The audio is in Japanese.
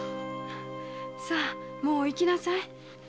さあもう行きなさい。